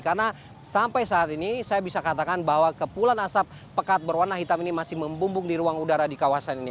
karena sampai saat ini saya bisa katakan bahwa kepulan asap pekat berwarna hitam ini masih membumbung di ruang udara di kawasan ini